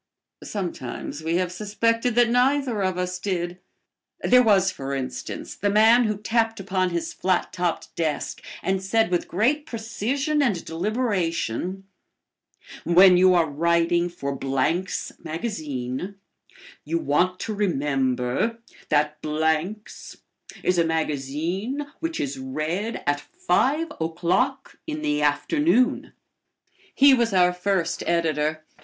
Sometimes we have suspected that neither of us did. There was, for instance, the man who tapped upon his flat topped desk and said with great precision and deliberation, "When you are writing for Blank's Magazine, you want to remember that Blank's is a magazine which is read at five o'clock in the afternoon." He was our first editor.